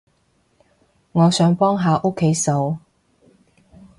我想幫下屋企手